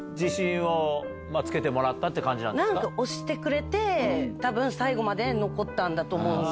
推してくれて最後まで残ったんだと思うんです。